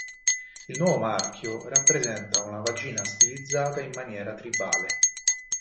Il nuovo marchio rappresenta una vagina stilizzata in maniera tribale.